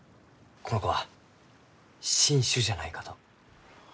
この子は新種じゃないかと。